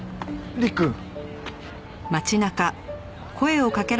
りっくん。